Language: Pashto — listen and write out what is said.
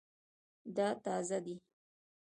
دا تازه دی